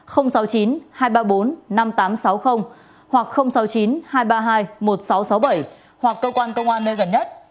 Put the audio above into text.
sáu mươi chín hai trăm ba mươi bốn năm nghìn tám trăm sáu mươi hoặc sáu mươi chín hai trăm ba mươi hai một nghìn sáu trăm sáu mươi bảy hoặc cơ quan công an nơi gần nhất